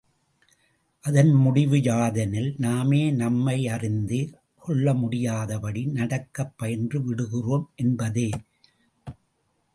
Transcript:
அதன் முடிவு யாதெனில் நாமே நம்மை அறிந்து கொள்ள முடியாதபடி நடக்கப் பயின்று விடுகிறோம் என்பதே.